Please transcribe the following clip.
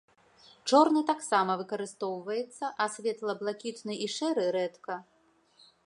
Чорны таксама выкарыстоўваецца, а светла-блакітны і шэры рэдка.